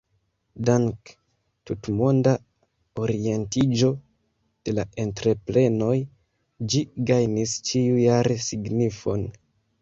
Dank tutmonda orientiĝo de la entreprenoj ĝi gajnis ĉiu-jare signifon.